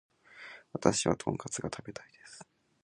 私はトンカツが食べたいです